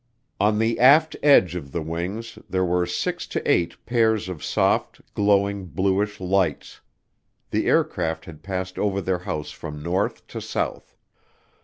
On the aft edge of the wings there were six to eight pairs of soft, glowing, bluish lights. The aircraft had passed over their house from north to south.